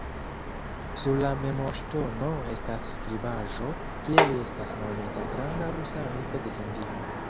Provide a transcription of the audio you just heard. Sur la memorŝtono estas skribaĵo, kie li estas nomita “granda rusa amiko de Hindio.